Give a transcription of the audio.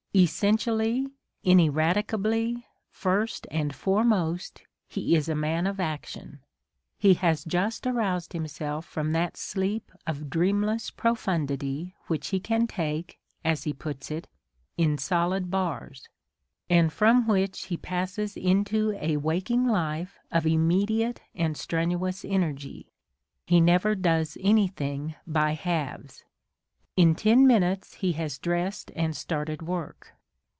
Essentially, ineradicably, first and foremost, he is a man of action. He has just aroused himself from that sleep of dreamless profundity which he can take, as he puts it, in solid bars : and from which he passes into a waking life of immediate and strenuous energy : he never does anything by halves. In ten minutes he has dressed and started work.